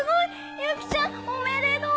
ユキちゃんおめでとう！